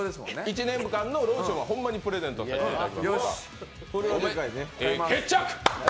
１年間のローションはほんまにプレゼントさせてもらいます。